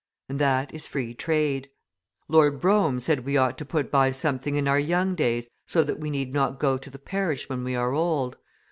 And that is Free Trade. Lord Brougham said we ought to put by something in our young days, so that we need not go to the parish when we are old.